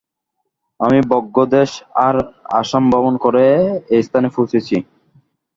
আমি ব্রহ্মদেশ আর আসাম ভ্রমণ করে এস্থানে পৌঁছেছি।